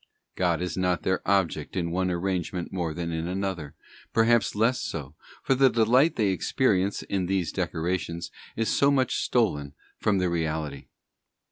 God is not their object in one arrangement more than in another—perhaps less so, for the delight they experience in these decorations is so much stolen from the reality.